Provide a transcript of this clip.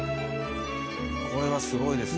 これはすごいですね。